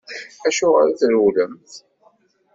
Acuɣeṛ i trewlemt?